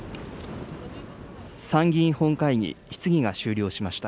参議院本会議、質疑が終了しました。